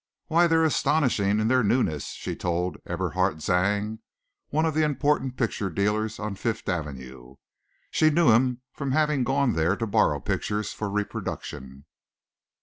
"Why, they're astonishing in their newness," she told Eberhard Zang, one of the important picture dealers on Fifth Avenue. She knew him from having gone there to borrow pictures for reproduction.